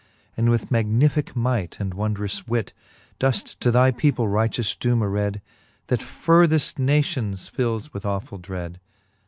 And with magnificke might and wondrous wit Doeft to thy people righteous doome aread, That furtheft nations filles with awfull dread.